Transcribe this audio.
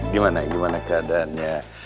gimana gimana keadaannya